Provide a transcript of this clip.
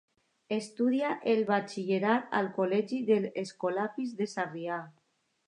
Estudià el batxillerat al col·legi dels Escolapis de Sarrià.